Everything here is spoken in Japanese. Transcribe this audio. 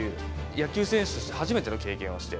野球選手として初めての経験をして。